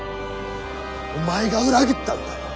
お前が裏切ったんだろ。